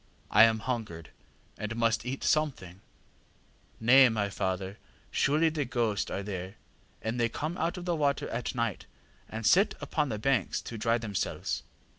I am hungered, and must eat something. ŌĆÖ ŌĆ£ŌĆśNay, my father; surely the ghosts are there; they come out of the water at night, and sit upon the banks to dry themselves.